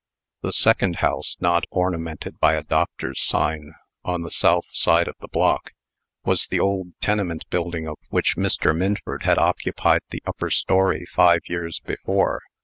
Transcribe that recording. The second house not ornamented by a doctor's sign, on the south side of the block, was the old tenement building of which Mr. Minford had occupied the upper story, five years before.